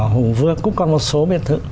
hùng vương cũng còn một số biệt thự